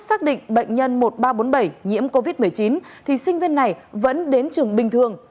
xác định bệnh nhân một nghìn ba trăm bốn mươi bảy nhiễm covid một mươi chín thì sinh viên này vẫn đến trường bình thường